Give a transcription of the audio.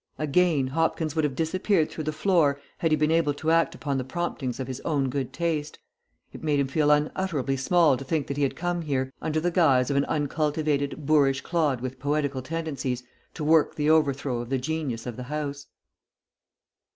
Again Hopkins would have disappeared through the floor had he been able to act upon the promptings of his own good taste. It made him feel unutterably small to think that he had come here, under the guise of an uncultivated, boorish clod with poetical tendencies, to work the overthrow of the genius of the house.